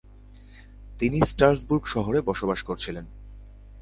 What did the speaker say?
তিনি ষ্ট্রাসবুর্গ শহরে বসবাস করছিলেন।